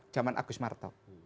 zaman agus martok